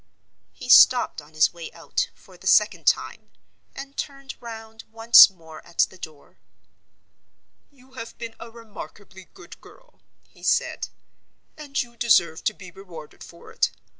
He stopped on his way out, for the second time, and turned round once more at the door. "You have been a remarkably good girl," he said, "and you deserve to be rewarded for it.